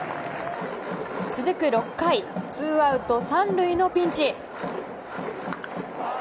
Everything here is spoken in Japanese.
続く６回ツーアウト３塁のピンチ。